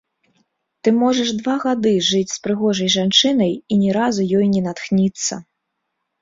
Ты можаш два гады жыць з прыгожай жанчынай і ні разу ёй не натхніцца.